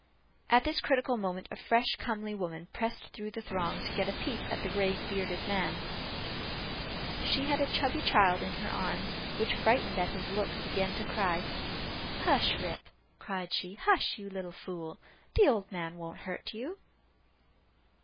At this critical moment a fresh, comely woman pressed through the throng to get a peep at the gray bearded man. She had a chubby child in her arms, which, frightened at his looks, began to cry. "Hush, Rip," cried she, "hush, you little fool; the old man won't hurt you."